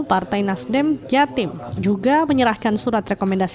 partai nasdem jatim juga menyerahkan surat rekomendasi